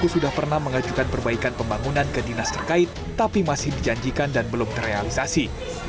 sudah pernah mengajukan perbaikan pembangunan ke dinas terkait tapi masih dijanjikan dan belum terrealisasi